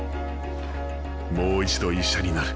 もう一度医者になる。